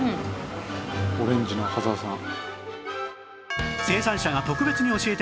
オレンジの赤澤さん。